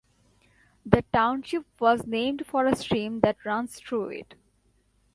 The township was named for a stream that runs through it.